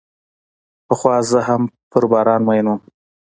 پخوا زه هم په باران مئین وم.